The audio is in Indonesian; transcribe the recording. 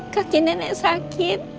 kaki nenek sakit